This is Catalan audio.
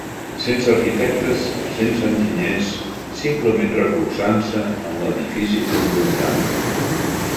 Sense arquitectes, sense enginyers, simplement recolzant-se en l'edifici confrontant.